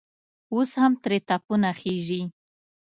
اوس هم ترې تپونه خېژي.